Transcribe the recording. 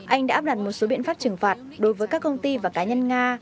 anh đã áp đặt một số biện pháp trừng phạt đối với các công ty và cá nhân nga